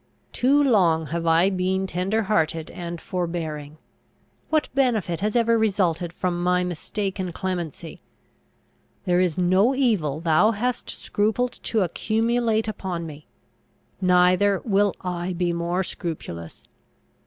Too long have I been tender hearted and forbearing! What benefit has ever resulted from my mistaken clemency? There is no evil thou hast scrupled to accumulate upon me! Neither will I be more scrupulous!